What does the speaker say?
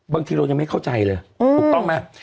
บางทีเรายังไม่เข้าใจเลยถูกต้องไหม